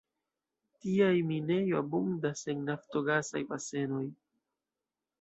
Tiaj minejo abundas en naftogasaj basenoj.